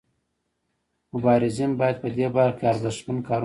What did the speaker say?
مبارزین باید په دې برخه کې ارزښتمن کارونه وکړي.